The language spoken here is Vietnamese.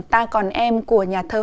ta còn em của nhà thơ pháp